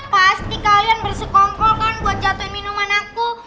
pasti kalian bersekongko kan buat jatuhin minuman aku